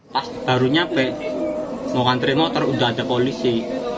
pas baru sampai mau nganterin motor sudah ada polisi